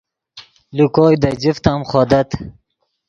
لے کوئے دے جفت ام خودت